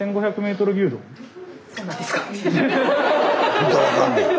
そうなんですか？